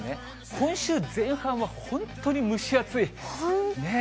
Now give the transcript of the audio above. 今週前半は、本当に蒸し暑い。